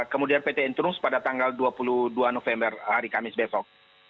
kemudian pt intrums pada tanggal dua puluh dua november hari kamis besok